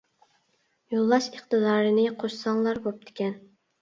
يوللاش ئىقتىدارىنى قوشساڭلار بوپتىكەن.